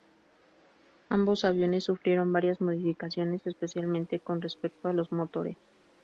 Ambos aviones sufrieron varias modificaciones, especialmente con respecto a los motores.